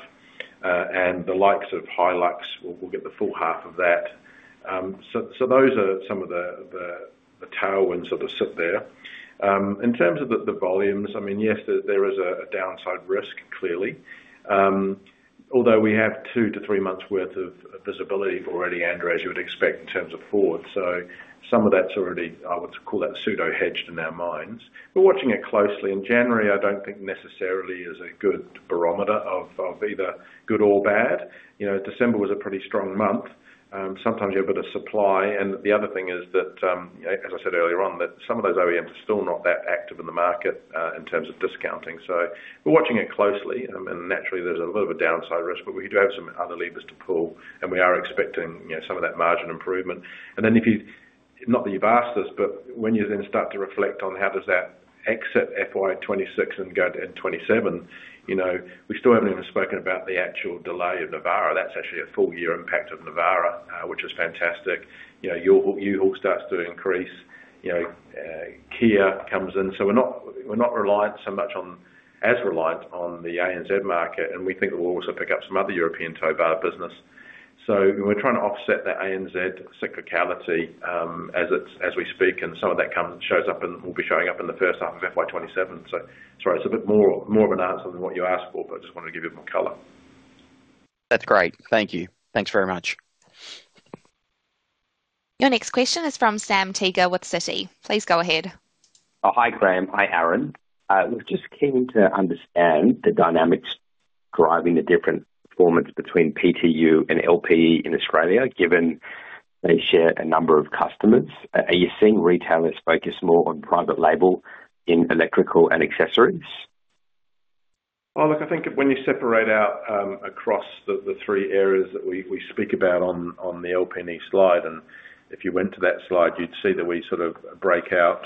And the likes of HiLux, we'll get the full half of that. So those are some of the tailwinds that will sit there. In terms of the volumes, I mean, yes, there is a downside risk, clearly, although we have two-three months' worth of visibility already, Andrew, as you would expect in terms of Ford. So some of that's already I would call that pseudo-hedged in our minds. We're watching it closely. And January, I don't think necessarily is a good barometer of either good or bad. December was a pretty strong month. Sometimes you have a bit of supply. And the other thing is that, as I said earlier on, some of those OEMs are still not that active in the market in terms of discounting. So we're watching it closely. And naturally, there's a little bit of downside risk, but we do have some other levers to pull, and we are expecting some of that margin improvement. And then if you note that you've asked this, but when you then start to reflect on how does that exit FY 2026 and go into 2027, we still haven't even spoken about the actual delay of Navara. That's actually a full-year impact of Navara, which is fantastic. U-Haul starts to increase. Kia comes in. So we're not as reliant on the ANZ market, and we think that we'll also pick up some other European towbar business. So we're trying to offset that ANZ cyclicality as we speak, and some of that shows up and will be showing up in the first half of FY 2027. So sorry, it's a bit more of an answer than what you asked for, but I just wanted to give you more color. That's great. Thank you. Thanks very much. Your next question is from Sam Teeger with Citi. Please go ahead. Hi, Graeme. Hi, Aaron. We're just keen to understand the dynamics driving the different performance between PTU and LP&E in Australia, given they share a number of customers. Are you seeing retailers focus more on private label in electrical and accessories? Well, look, I think when you separate out across the three areas that we speak about on the LP&E slide, and if you went to that slide, you'd see that we sort of break out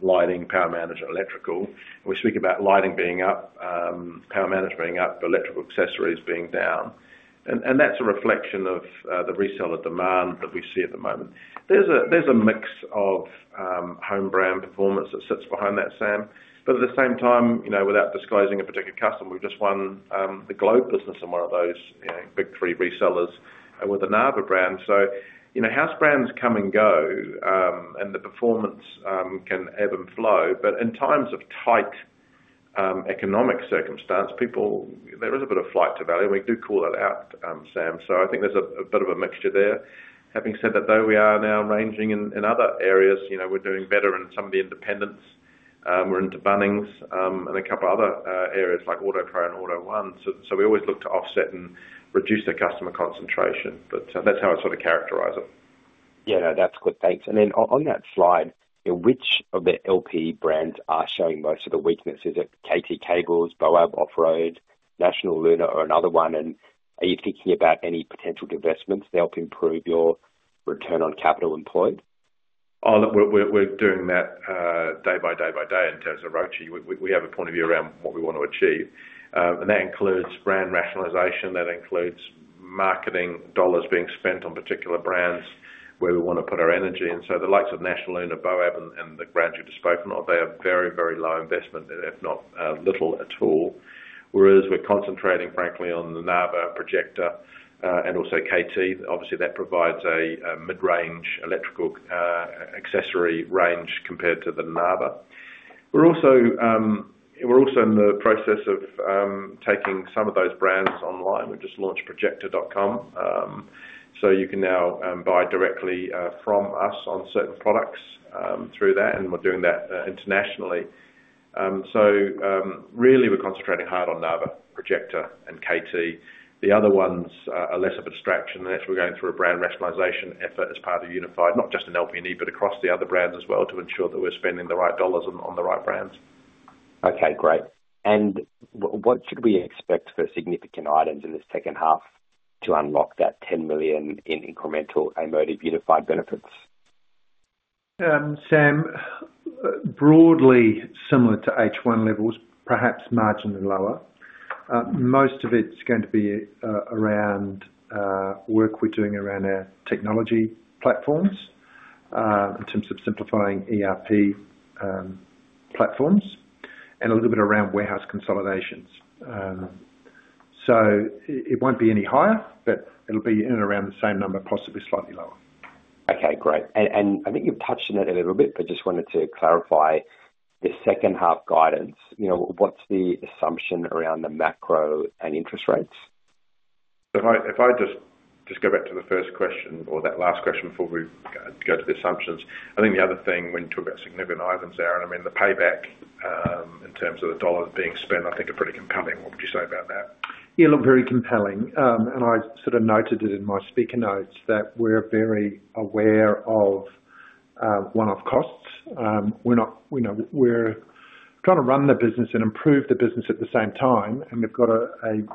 lighting, power management, electrical. We speak about lighting being up, power management being up, electrical accessories being down. And that's a reflection of the reseller demand that we see at the moment. There's a mix of home brand performance that sits behind that, Sam. But at the same time, without disclosing a particular customer, we've just won the Globe business in one of those big three resellers with a Narva brand. So house brands come and go, and the performance can ebb and flow. But in times of tight economic circumstance, there is a bit of flight to value, and we do call that out, Sam. I think there's a bit of a mixture there. Having said that, though, we are now ranging in other areas. We're doing better in some of the independents. We're into Bunnings and a couple of other areas like Autopro and Auto One. So we always look to offset and reduce the customer concentration. But that's how I sort of characterize it. Yeah. No, that's good. Thanks. And then on that slide, which of the LP brands are showing most of the weaknesses? Is it KT Cables, Boab Offroad, National Luna, or another one? And are you thinking about any potential divestments to help improve your return on capital employed? Oh, look, we're doing that day by day by day in terms of ROCE. We have a point of view around what we want to achieve. And that includes brand rationalization. That includes marketing dollars being spent on particular brands where we want to put our energy. And so the likes of National Luna, Boab, and the brands you've just spoken of, they are very, very low investment, if not little at all. Whereas we're concentrating, frankly, on the Narva, Projecta, and also KT. Obviously, that provides a mid-range electrical accessory range compared to the Narva. We're also in the process of taking some of those brands online. We've just launched Projecta.com. So you can now buy directly from us on certain products through that, and we're doing that internationally. So really, we're concentrating hard on Narva, Projecta, and KT. The other ones are less of a distraction. Actually, we're going through a brand rationalization effort as part of Unified, not just in LP&E, but across the other brands as well to ensure that we're spending the right dollars on the right brands. Okay. Great. What should we expect for significant items in this second half to unlock that 10 million in incremental Amotiv Unified benefits? Sam, broadly similar to H1 levels, perhaps marginally lower. Most of it's going to be around work we're doing around our technology platforms in terms of simplifying ERP platforms and a little bit around warehouse consolidations. So it won't be any higher, but it'll be in and around the same number, possibly slightly lower. Okay. Great. I think you've touched on it a little bit, but just wanted to clarify the second half guidance. What's the assumption around the macro and interest rates? If I just go back to the first question or that last question before we go to the assumptions, I think the other thing when you talk about significant items, Aaron, I mean, the payback in terms of the dollars being spent, I think, are pretty compelling. What would you say about that? Yeah. Look, very compelling. I sort of noted it in my speaker notes that we're very aware of one-off costs. We're trying to run the business and improve the business at the same time, and we've got a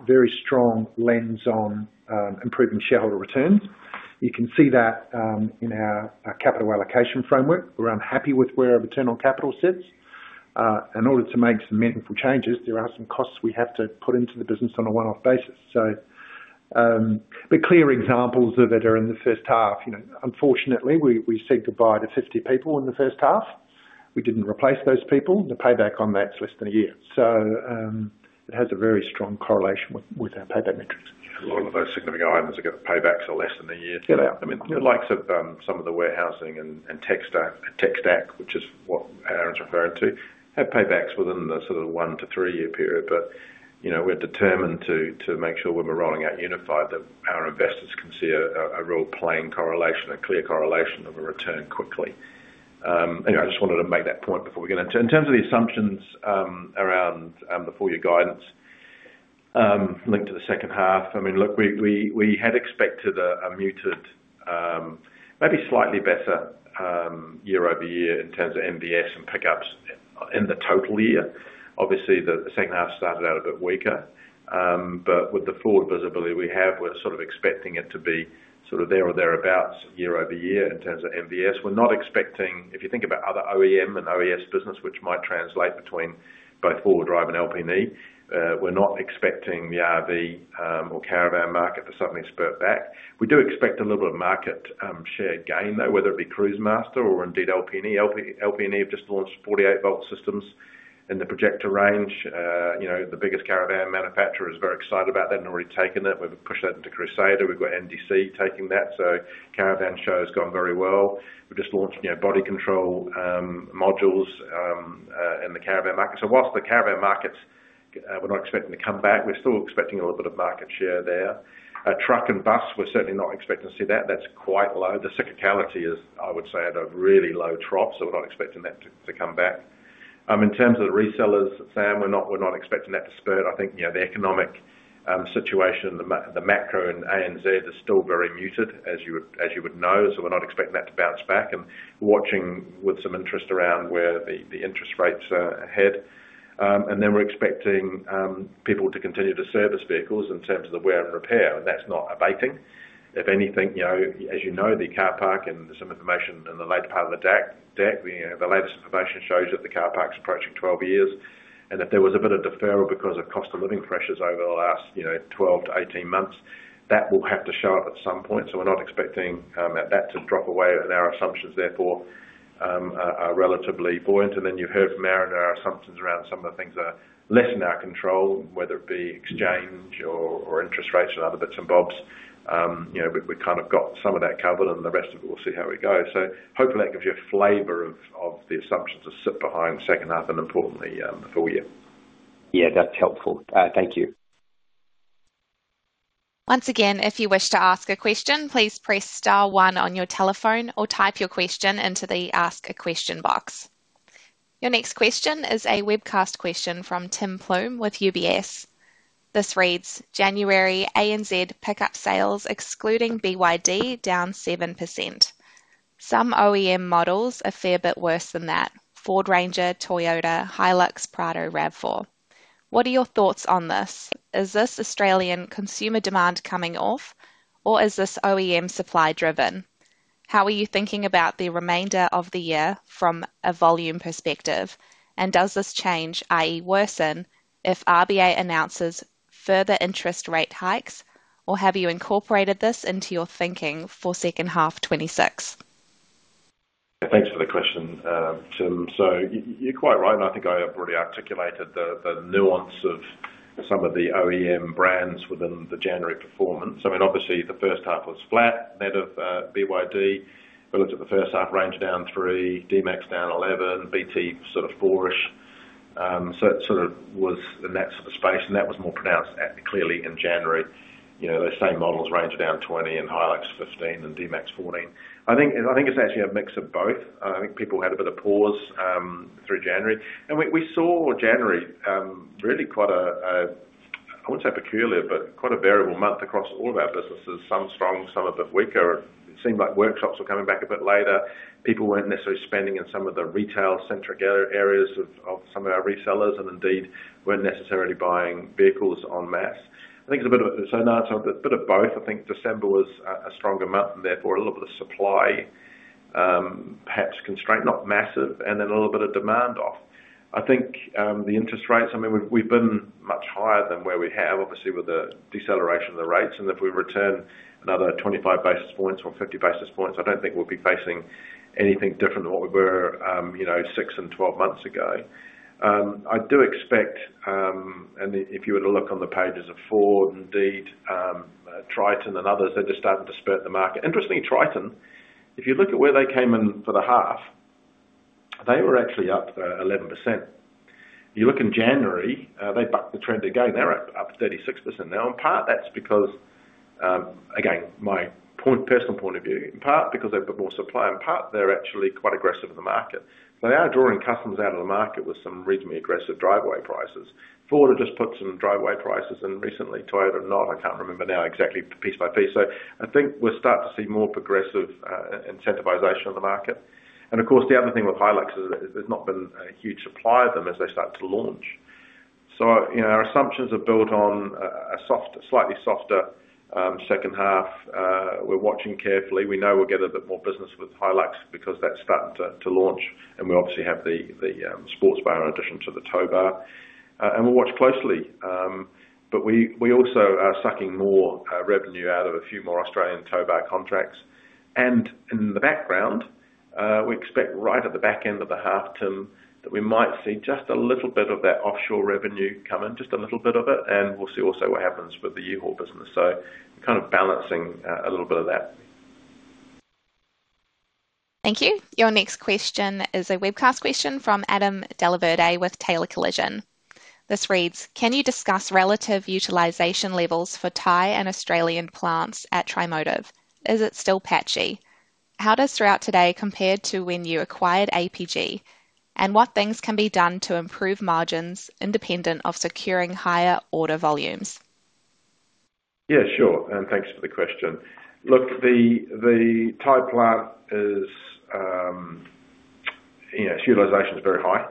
very strong lens on improving shareholder returns. You can see that in our capital allocation framework. We're unhappy with where our return on capital sits. In order to make some meaningful changes, there are some costs we have to put into the business on a one-off basis. Clear examples of it are in the first half. Unfortunately, we said goodbye to 50 people in the first half. We didn't replace those people. The payback on that's less than a year. It has a very strong correlation with our payback metrics. Yeah. A lot of those significant items that get the paybacks are less than a year. I mean, the likes of some of the warehousing and tech stack, which is what Aaron's referring to, have paybacks within the sort of one-three-year period. But we're determined to make sure when we're rolling out Unified that our investors can see a real plain correlation, a clear correlation of a return quickly. Anyway, I just wanted to make that point before we get into it. In terms of the assumptions around the full-year guidance linked to the second half, I mean, look, we had expected a muted, maybe slightly better year-over-year in terms of NVS and pickups in the total year. Obviously, the second half started out a bit weaker. But with the full visibility we have, we're sort of expecting it to be sort of there or thereabouts year over year in terms of NVS. We're not expecting if you think about other OEM and OES business, which might translate between both four-wheel drive and LP&E, we're not expecting the RV or caravan market to suddenly spurt back. We do expect a little bit of market share gain, though, whether it be Cruisemaster or indeed LP&E. LP&E have just launched 48-volt systems in the Projecta range. The biggest caravan manufacturer is very excited about that and already taken it. We've pushed that into Crusader. We've got MDC taking that. So caravan show has gone very well. We've just launched body control modules in the caravan market. So while the caravan markets we're not expecting to come back, we're still expecting a little bit of market share there. Truck and bus, we're certainly not expecting to see that. That's quite low. The cyclicality is, I would say, at a really low trough, so we're not expecting that to come back. In terms of the resellers, Sam, we're not expecting that to spurt. I think the economic situation, the macro and ANZ, is still very muted, as you would know. So we're not expecting that to bounce back. And we're watching with some interest around where the interest rates head. And then we're expecting people to continue to service vehicles in terms of the wear and repair, and that's not abating. If anything, as you know, the car park and some information in the later part of the deck, the latest information shows that the car park's approaching 12 years. If there was a bit of deferral because of cost of living pressures over the last 12-18 months, that will have to show up at some point. So we're not expecting that to drop away, and our assumptions, therefore, are relatively buoyant. And then you've heard from Aaron our assumptions around some of the things that are less in our control, whether it be exchange or interest rates and other bits and bobs. We've kind of got some of that covered, and the rest of it, we'll see how we go. So hopefully, that gives you a flavor of the assumptions that sit behind second half and, importantly, the full year. Yeah. That's helpful. Thank you. Once again, if you wish to ask a question, please press star one on your telephone or type your question into the Ask a Question box. Your next question is a webcast question from Tim Plumbe with UBS. This reads, "January ANZ pickup sales excluding BYD down 7%. Some OEM models a fair bit worse than that: Ford Ranger, Toyota HiLux, Prado, RAV4. What are your thoughts on this? Is this Australian consumer demand coming off, or is this OEM supply-driven? How are you thinking about the remainder of the year from a volume perspective, and does this change, i.e., worsen, if RBA announces further interest rate hikes? Or have you incorporated this into your thinking for second half 2026? Thanks for the question, Tim. So you're quite right, and I think I have already articulated the nuance of some of the OEM brands within the January performance. I mean, obviously, the first half was flat, net of BYD. We looked at the first half, Ranger down three, D-MAX down 11, Triton sort of four-ish. So it sort of was in that sort of space, and that was more pronounced, clearly, in January. Those same models Ranger down 20, and HiLux 15, and D-MAX 14. I think it's actually a mix of both. I think people had a bit of pause through January. And we saw January, really, quite a, I wouldn't say peculiar, but quite a variable month across all of our businesses, some strong, some a bit weaker. It seemed like workshops were coming back a bit later. People weren't necessarily spending in some of the retail-centric areas of some of our resellers and indeed weren't necessarily buying vehicles en masse. I think it's a bit of so no, it's a bit of both. I think December was a stronger month and, therefore, a little bit of supply, perhaps constraint, not massive, and then a little bit of demand off. I think the interest rates I mean, we've been much higher than where we have, obviously, with the deceleration of the rates. And if we return another 25 basis points or 50 basis points, I don't think we'll be facing anything different than what we were six and 12 months ago. I do expect and if you were to look on the pages of Ford, indeed, Triton, and others, they're just starting to spurt the market. Interestingly, Triton, if you look at where they came in for the half, they were actually up 11%. If you look in January, they bucked the trend again. They're up 36% now. And part, that's because again, my personal point of view, in part because they've got more supply, in part they're actually quite aggressive in the market. So they are drawing customers out of the market with some reasonably aggressive driveway prices. Ford have just put some driveway prices in recently. Toyota have not. I can't remember now exactly piece by piece. So I think we'll start to see more progressive incentivization of the market. And of course, the other thing with HiLux is there's not been a huge supply of them as they start to launch. So our assumptions are built on a slightly softer second half. We're watching carefully. We know we'll get a bit more business with HiLux because that's starting to launch. And we obviously have the sports bar in addition to the tow bar. And we'll watch closely. But we also are sucking more revenue out of a few more Australian tow bar contracts. And in the background, we expect right at the back end of the half, Tim, that we might see just a little bit of that offshore revenue come in, just a little bit of it. And we'll see also what happens with the U-Haul business. So we're kind of balancing a little bit of that. Thank you. Your next question is a webcast question from Adam Dellavedova with Taylor Collison. This reads, "Can you discuss relative utilization levels for Thai and Australian plants at Amotiv? Is it still patchy? How does throughput today compare to when you acquired APG? And what things can be done to improve margins independent of securing higher order volumes? Yeah. Sure. And thanks for the question. Look, the Thailand plant is its utilization's very high,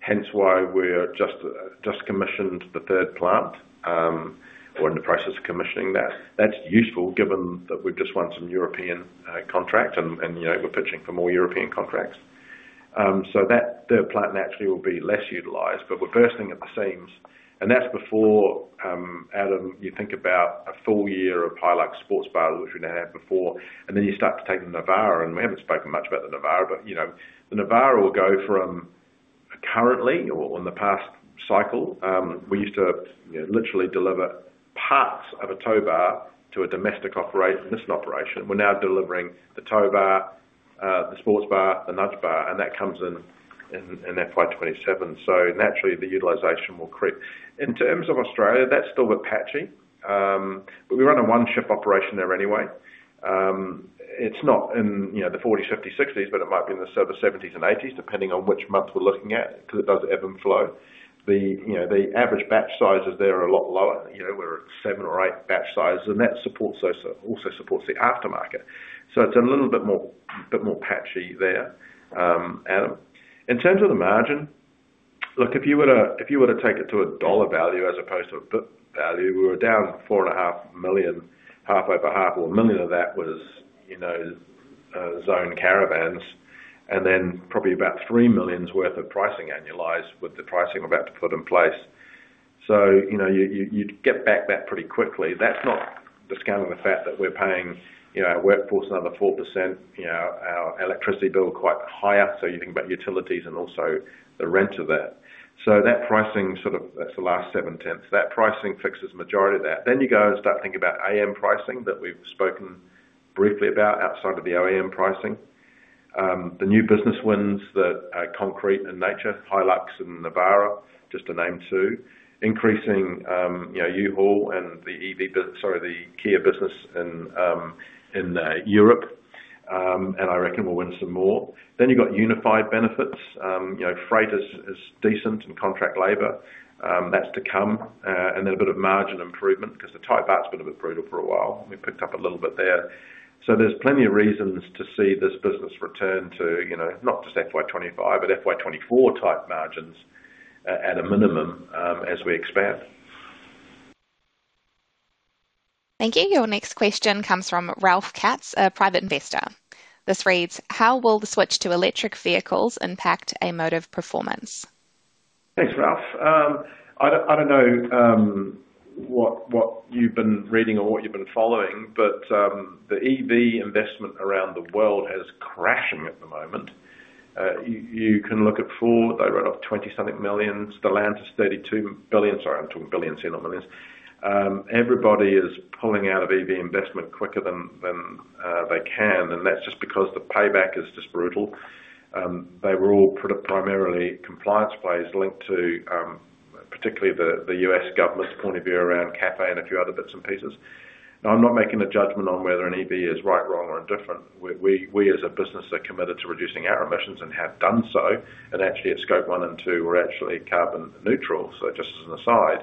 hence why we're just commissioned the third plant or in the process of commissioning that. That's useful given that we've just won some European contracts, and we're pitching for more European contracts. So that third plant naturally will be less utilized, but we're bursting at the seams. And that's before, Adam, you think about a full year of HiLux sports bar, which we now have before. And then you start to take the Navara. And we haven't spoken much about the Navara, but the Navara will go from currently or in the past cycle, we used to literally deliver parts of a tow bar to a domestic operation, and we're now delivering the tow bar, the sports bar, the nudge bar, and that comes in FY 2027. So naturally, the utilization will creep. In terms of Australia, that's still a bit patchy, but we run a one-ship operation there anyway. It's not in the 40s, 50s, 60s, but it might be in the 70s and 80s, depending on which month we're looking at because it does ebb and flow. The average batch sizes there are a lot lower. We're at seven or eight batch sizes, and that also supports the aftermarket. So it's a little bit more patchy there, Adam. In terms of the margin, look, if you were to take it to a dollar value as opposed to a bps value, we were down 4.5 million half over half, or 1 million of that was Zone Caravans, and then probably about 3 million's worth of pricing annualized with the pricing we're about to put in place. So you'd get back that pretty quickly. That's not discounting the fact that we're paying our workforce another 4%, our electricity bill quite higher, so you think about utilities and also the rent of that. So that pricing sort of that's the last 0.7. That pricing fixes the majority of that. Then you go and start thinking about AM pricing that we've spoken briefly about outside of the OEM pricing, the new business wins that concrete and nature, HiLux and Navara, just to name two, increasing U-Haul and the EV sorry, the Kia business in Europe, and I reckon we'll win some more. Then you've got Unified benefits. Freight is decent and contract labor. That's to come. And then a bit of margin improvement because the Thailand part's been a bit brutal for a while. We picked up a little bit there. There's plenty of reasons to see this business return to not just FY 2025, but FY 2024 type margins at a minimum as we expand. Thank you. Your next question comes from Ralph Katz, a private investor. This reads, "How will the switch to electric vehicles impact Amotiv performance? Thanks, Ralph. I don't know what you've been reading or what you've been following, but the EV investment around the world is crashing at the moment. You can look at Ford. They wrote off $20-something million. Stellantis $32 billion sorry, I'm talking billions, not millions. Everybody is pulling out of EV investment quicker than they can, and that's just because the payback is just brutal. They were all primarily compliance plays linked to particularly the U.S. government's point of view around CAFE and a few other bits and pieces. Now, I'm not making a judgment on whether an EV is right, wrong, or indifferent. We, as a business, are committed to reducing our emissions and have done so. And actually, at scope one and two, we're actually carbon neutral, so just as an aside.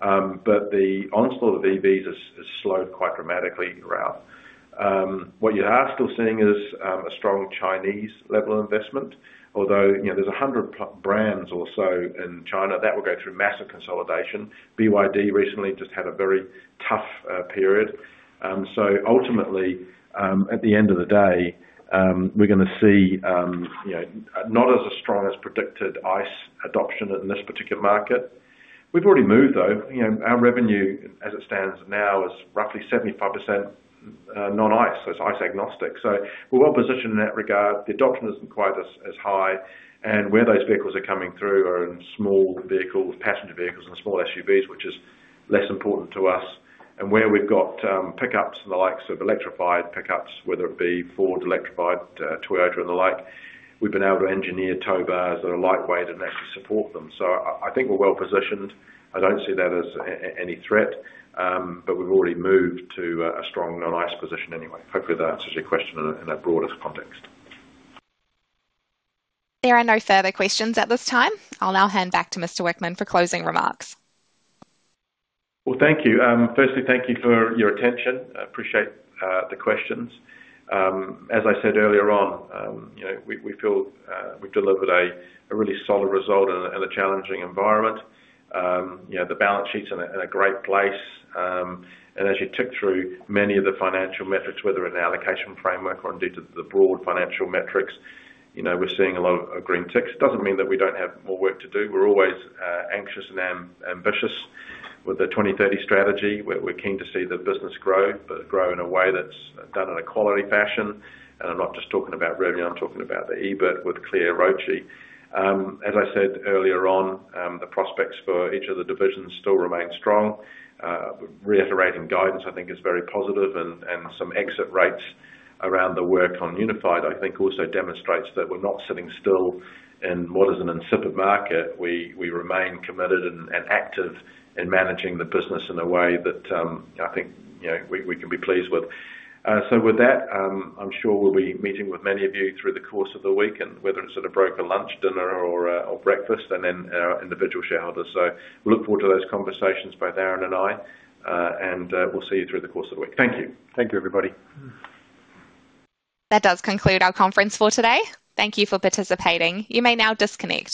But the onslaught of EVs has slowed quite dramatically, Ralph. What you are still seeing is a strong Chinese level of investment, although there's 100 brands or so in China that will go through massive consolidation. BYD recently just had a very tough period. So ultimately, at the end of the day, we're going to see not as strong as predicted ICE adoption in this particular market. We've already moved, though. Our revenue, as it stands now, is roughly 75% non-ICE, so it's ICE-agnostic. So we're well positioned in that regard. The adoption isn't quite as high. And where those vehicles are coming through are in small vehicles, passenger vehicles, and small SUVs, which is less important to us. And where we've got pickups and the likes of electrified pickups, whether it be Ford, electrified Toyota, and the like, we've been able to engineer tow bars that are lightweight and actually support them. So I think we're well positioned. I don't see that as any threat, but we've already moved to a strong non-ICE position anyway. Hopefully, that answers your question in a broader context. There are no further questions at this time. I'll now hand back to Mr. Whickman for closing remarks. Well, thank you. Firstly, thank you for your attention. I appreciate the questions. As I said earlier on, we feel we've delivered a really solid result in a challenging environment. The balance sheet's in a great place. And as you tick through many of the financial metrics, whether in the allocation framework or indeed the broad financial metrics, we're seeing a lot of green ticks. It doesn't mean that we don't have more work to do. We're always anxious and ambitious with the 2030 strategy. We're keen to see the business grow, but grow in a way that's done in a quality fashion. And I'm not just talking about revenue. I'm talking about the EBIT with clear ROCE. As I said earlier on, the prospects for each of the divisions still remain strong. Reiterating guidance, I think, is very positive. And some exit rates around the work on Unified, I think, also demonstrates that we're not sitting still in what is an incipient market. We remain committed and active in managing the business in a way that I think we can be pleased with. So with that, I'm sure we'll be meeting with many of you through the course of the week, whether it's at a broker lunch, dinner, or breakfast, and then our individual shareholders. So we look forward to those conversations, both Aaron and I, and we'll see you through the course of the week. Thank you. Thank you, everybody. That does conclude our conference for today. Thank you for participating. You may now disconnect.